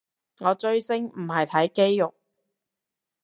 我追星唔係睇肌肉